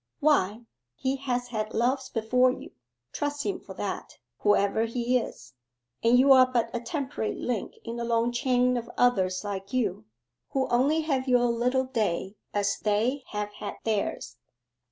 Why, he has had loves before you, trust him for that, whoever he is, and you are but a temporary link in a long chain of others like you: who only have your little day as they have had theirs.